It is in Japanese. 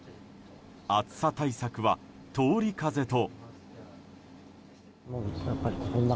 暑さ対策は通り風と。